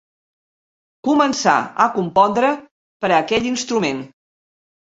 Començà a compondre per a aquell instrument.